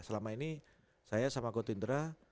selama ini saya sama got indra